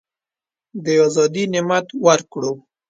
د آزادی نعمت ورکړو.